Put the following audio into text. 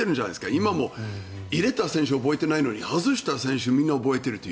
今も入れた選手は覚えてないのに外した選手はみんな覚えている。